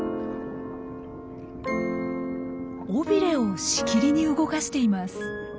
尾びれをしきりに動かしています。